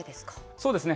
そうですね。